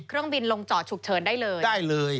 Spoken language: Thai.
เครื่องบินลงจอดฉุกเฉินได้เลยได้เลย